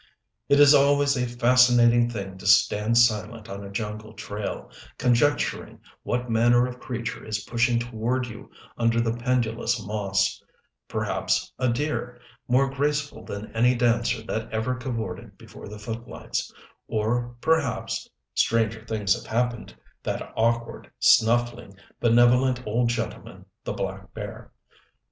It is always a fascinating thing to stand silent on a jungle trail, conjecturing what manner of creature is pushing toward you under the pendulous moss: perhaps a deer, more graceful than any dancer that ever cavorted before the footlights, or perhaps (stranger things have happened) that awkward, snuffling, benevolent old gentleman, the black bear.